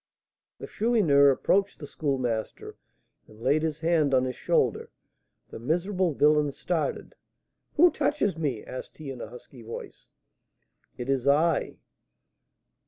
The Chourineur approached the Schoolmaster and laid his hand on his shoulder; the miserable villain started. "Who touches me?" asked he, in a husky voice. "It is I."